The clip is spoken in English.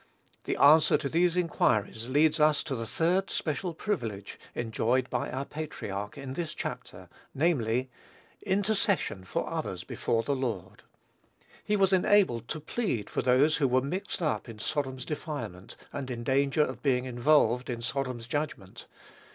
The answer to these inquiries leads us to the third special privilege enjoyed by our patriarch in this chapter, namely, Intercession for others before the Lord. He was enabled to plead for those who were mixed up in Sodom's defilement, and in danger of being involved in Sodom's judgment.